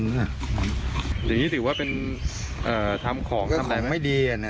ผูกกันจีนอย่างนี้สิว่าเป็นเอ่อทำของไม่ดีอ่ะนะ